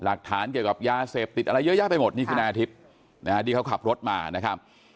หลักฐานเกี่ยวกับยาเสพติดอะไรเยอะแยะไปหมดนี่คือนายอาทิตย์นะฮะที่เขาขับรถมานะครับ